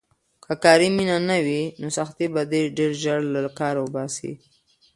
که کاري مینه نه وي، نو سختۍ به دې ډېر ژر له کاره وباسي.